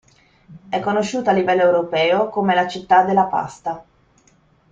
È conosciuta a livello europeo come la Città della Pasta.